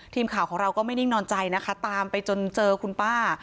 ทีมข่าวของเราก็ไม่นิ่งนอนใจนะคะตามไปจนเจอคุณป้า